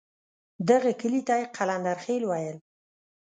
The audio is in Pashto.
دغه کلي ته یې قلندرخېل ویل.